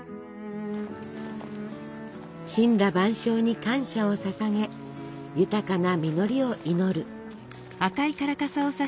森羅万象に感謝をささげ豊かな実りを祈る。